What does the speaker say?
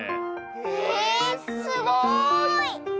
へえすごい！